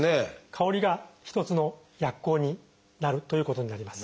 香りが一つの薬効になるということになります。